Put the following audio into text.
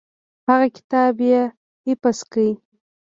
هغه کتاب یې حفظ کړ.